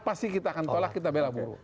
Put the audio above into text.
pasti kita akan tolak kita bela buru